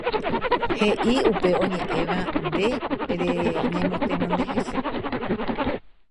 heʼi upe oñeʼẽva nde reñemotenonde hese.